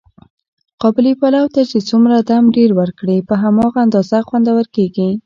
قابلي پلو ته چې څومره دم ډېر ور کړې، په هماغه اندازه خوندور کېږي.